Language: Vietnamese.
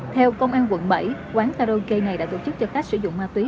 theo công an quận bảy quán karaoke này đã tổ chức cho khách sử dụng ma túy